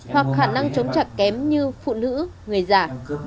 hoặc khả năng chống chạc kém như phụ nữ người già